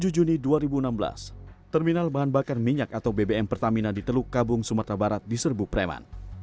tujuh juni dua ribu enam belas terminal bahan bakar minyak atau bbm pertamina di teluk kabung sumatera barat diserbu preman